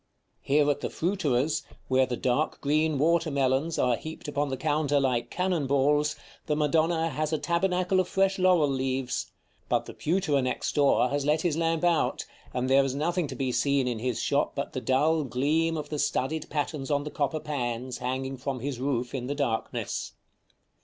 Here at the fruiterer's, where the dark green water melons are heaped upon the counter like cannon balls, the Madonna has a tabernacle of fresh laurel leaves; but the pewterer next door has let his lamp out, and there is nothing to be seen in his shop but the dull gleam of the studded patterns on the copper pans, hanging from his roof in the darkness.